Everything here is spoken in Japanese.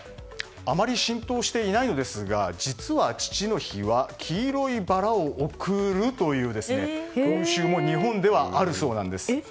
あまり浸透していないのですが実は父の日は黄色いバラを贈るという風習も日本ではあるそうなんです。